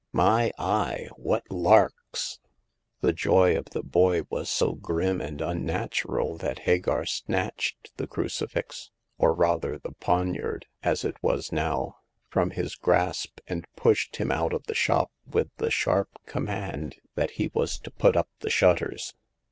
My eye, what larks !" The joy of the boy was so grim and unnatural that Hagar snatched the crucifix— or rather the poniard, as it was now — from his grasp, and pushed him out of the shop with the sharp com mand that he was to put up the shutters.